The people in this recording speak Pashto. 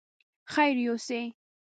خير يوسې!